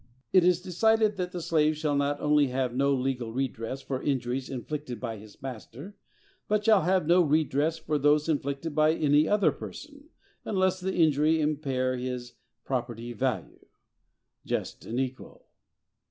It is decided that the slave shall not only have no legal redress for injuries inflicted by his master, but shall have no redress for those inflicted by any other person, unless the injury impair his property value.—Just and equal!